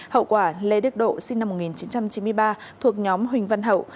hậu quả lê đức độ sinh năm một nghìn chín trăm chín mươi ba thuộc nhóm huỳnh văn hậu